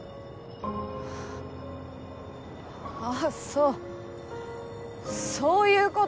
ああそうそういう事。